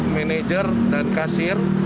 manajer dan kasir